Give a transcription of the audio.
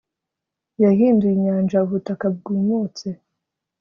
yahinduye inyanja ubutaka bwumutse